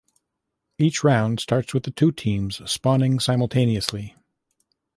Each round starts with the two teams spawning simultaneously.